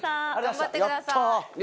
頑張ってください。